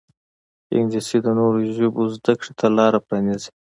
انګلیسي د نورو ژبو زده کړې ته لاره پرانیزي